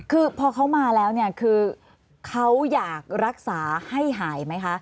คือพอเขามาแล้วเนี่ยคือเขาอยากรักษาให้หายไหมคะ